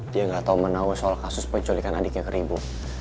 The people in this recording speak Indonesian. dia gak tau menau soal kasus penculikan adiknya ke ribu